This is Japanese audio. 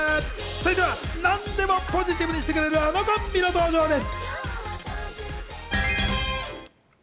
続いては何でもポジティブにしてくれるあのコンビの登場です。